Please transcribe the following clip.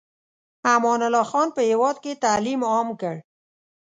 امان الله خان په هېواد کې تعلیم عام کړ.